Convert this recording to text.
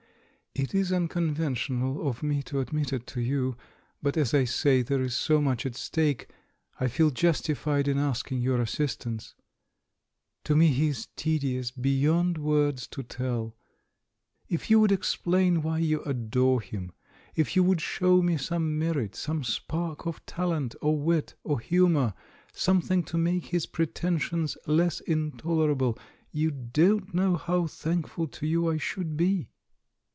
"It is unconventional of me to admit it to you; but, as I say, there is so much at stake — I feel justified in asking your assistance. To me he is tedious beyond words to tell. If you would ex plain why you adore him, if you would show me some merit, some spark of talent, or wit, or hu mour, something to make his pretensions less in 360 THE MAN WHO UNDERSTOOD WOMEN tolerable — you don't know how thankful to you I should be."